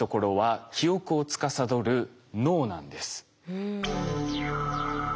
うん。